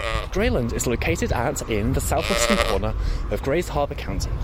Grayland is located at in the southwestern corner of Grays Harbor County.